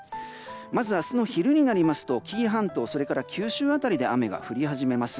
まず明日の昼になりますと紀伊半島それから九州辺りで雨が降り始めます。